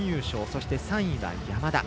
そして、３位が山田。